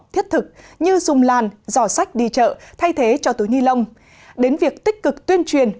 thiết thực như dùng làn giỏ sách đi chợ thay thế cho túi ni lông đến việc tích cực tuyên truyền